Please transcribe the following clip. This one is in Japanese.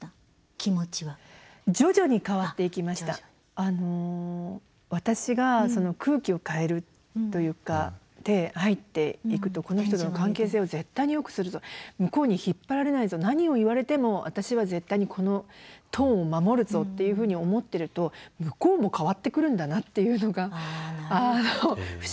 あの私が空気を変えるというかで入っていくとこの人との関係性を絶対によくするぞ向こうに引っ張られないぞ何を言われても私は絶対にこのトーンを守るぞっていうふうに思っていると向こうも変わってくるんだなっていうのが不思議なもので。